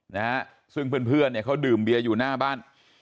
นะฮะซึ่งเพื่อนเพื่อนเนี่ยเขาดื่มเบียร์อยู่หน้าบ้าน